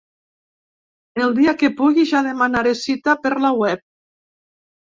El dia que pugui ja demanaré cita per la web.